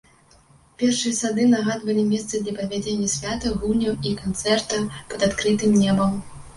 Першыя сады нагадвалі месцы для правядзення святаў, гульняў і канцэртаў пад адкрытым небам.